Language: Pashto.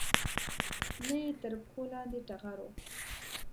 نه یې تر پښو لاندې ټغر و